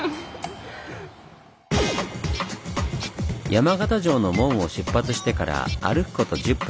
山形城の門を出発してから歩くこと１０分。